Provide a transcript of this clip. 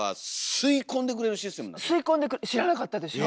吸い込んでくれる知らなかったでしょ？